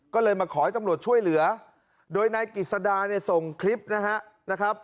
ก็เลยมาขอให้ตำรวจช่วยเหลือโดยนายกิจสดาเนี่ยส่งคลิปนะครับ